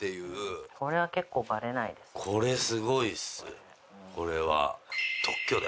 これすごいっすこれは。